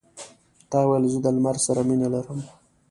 تا ویل زه د لمر سره مینه لرم.